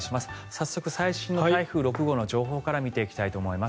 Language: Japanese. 早速、最新の台風６号の情報から見ていきたいと思います。